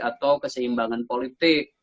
atau keseimbangan politik